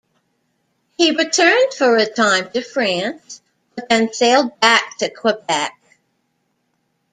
He returned for a time to France, but then sailed back to Quebec.